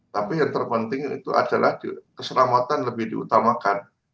tapi yang terpenting itu adalah keselamatan lebih diutamakan